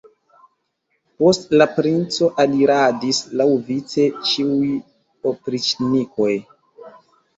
Post la princo aliradis laŭvice ĉiuj opriĉnikoj.